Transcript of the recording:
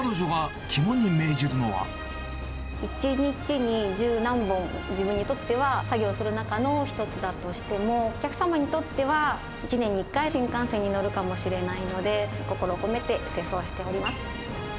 １日に十何本、自分にとっては作業する中の一つだとしても、お客様にとっては、１年に１回、新幹線に乗るかもしれないので、心を込めて清掃をしております。